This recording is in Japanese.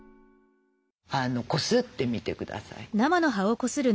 こすってみて下さい。